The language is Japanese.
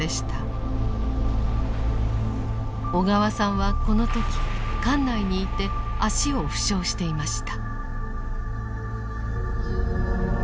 小川さんはこの時艦内にいて足を負傷していました。